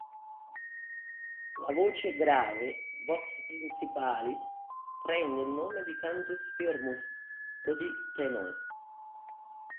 La voce grave, "vox principalis", prende il nome di "cantus firmus", o di "tenor".